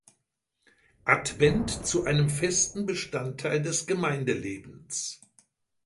Advent zu einem festen Bestandteil des Gemeindelebens.